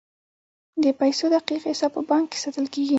د پیسو دقیق حساب په بانک کې ساتل کیږي.